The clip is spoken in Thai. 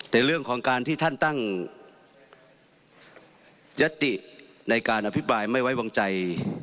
แต่เรื่องของการที่ท่านตั้งยศติในการอภิปรายไม่ไว้วางใจ